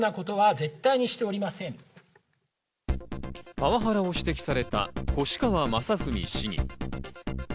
パワハラを指摘された越川雅史市議。